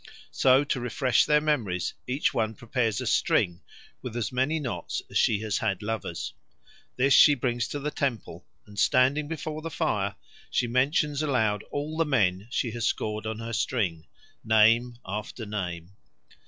So to refresh their memories each one prepares a string with as many knots as she has had lovers. This she brings to the temple, and, standing before the fire, she mentions aloud all the men she has scored on her string, name after name.